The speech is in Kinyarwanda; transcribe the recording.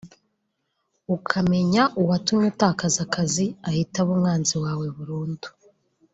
ukamenya uwatumye utakaza akazi ahita aba umwanzi wawe burundu